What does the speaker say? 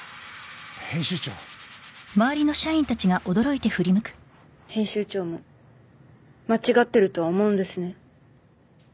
編集長編集長も間違ってるとは思うんですね